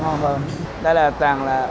nó ngon hơn